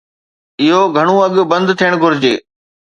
اهو گهڻو اڳ بند ٿيڻ گهرجي.